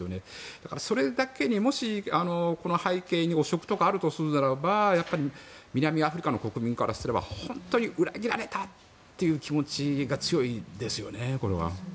だから、それだけにもしこの背景に汚職とかあるとするならば南アフリカの国民からすれば本当に裏切られたという気持ちが強いですね。